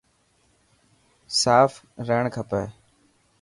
صاف رهڻ کپي.